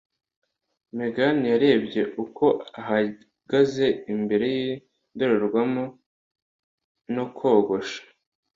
Megan yarebye uko ahagaze imbere yindorerwamo no kogosha.